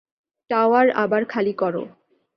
Tower আবার খালি করো।